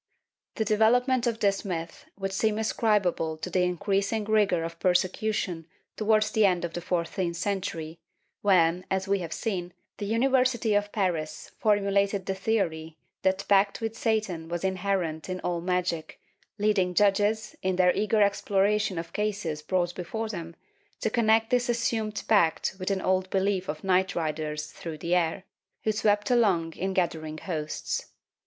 ^^ The development of this myth would seem ascribable to the increasing rigor of persecution towards the end of the fourteenth century, when, as we have seen, the University of Paris formu lated the theory that pact with Satan was inherent in all magic, leading judges, in their eager exploration of cases brought before them, to connect this assumed pact with an old belief of night riders through the air, who swept along in gathering hosts.